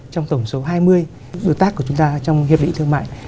trong tổng số hai mươi đối tác của chúng ta trong hiệp định thương mại